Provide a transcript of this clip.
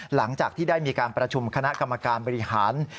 หลังจากที่ได้มีการประชุมคณะกรรมการบริหาร